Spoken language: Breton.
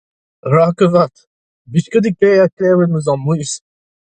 ran ket 'vat. 'blij ket din kaer klevet va zamm mouezh